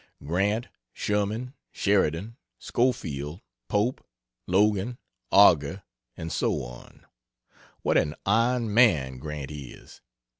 Grant, Sherman, Sheridan, Schofield, Pope, Logan, Augur, and so on. What an iron man Grant is!